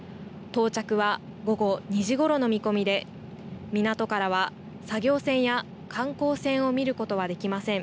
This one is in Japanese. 到着は午後２時ごろの見込みで港からは作業船や観光船を見ることはできません。